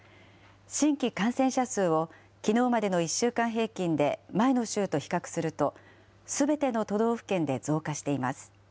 新規感染者数をきのうまでの１週間平均で前の週と比較すると、すべての都道府県で増加しています。